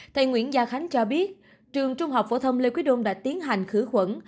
thầy nguyễn gia khánh cho biết trường trung học phổ thông lê quý đôn đã tiến hành khử khuẩn